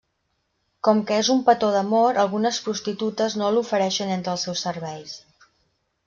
Com que és un petó d'amor, algunes prostitutes no l'ofereixen entre els seus serveis.